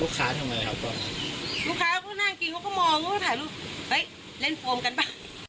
ลูกค้าก็นั่งกินเขาก็มองเขาก็ถ่ายรูปเฮ้ยเล่นฟวมกันป่ะ